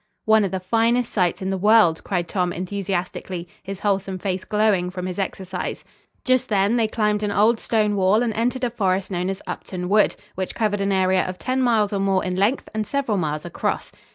"One of the finest sights in the world," cried Tom enthusiastically, his wholesome face glowing from his exercise. Just then they climbed an old stone wall and entered a forest known as "Upton Wood," which covered an area of ten miles or more in length and several miles across.